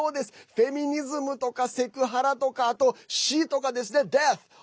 フェミニズムとかセクハラとか死とかですね、ｄｅａｔｈ！